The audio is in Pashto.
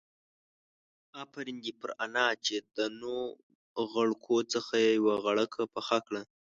آفرين دي پر انا چې د نو غړکو څخه يې يوه غړکه پخه کړه.